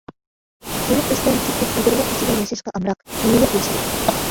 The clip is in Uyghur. قويۇق ئۆسكەن چۆپلۈك ئېدىرلىق ئىچىدە ياشاشقا ئامراق، يېيىلىپ ياشايدۇ.